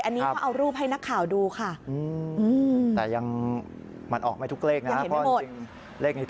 อันนี้ก็เอารูปให้นักข่าวดูค่ะอืมแต่ยังมันออกไม่ทุกเลขนะ